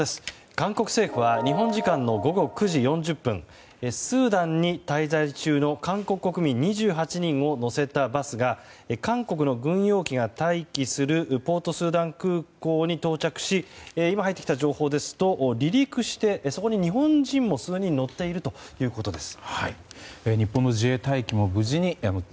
韓国政府は日本時間の午後９時４０分スーダンに滞在中の韓国国民２８人を乗せたバスが韓国の軍用機が待機するポートスーダン空港に到着し今、入ってきた情報ですと離陸して、そこに日本人も数人乗っているということです。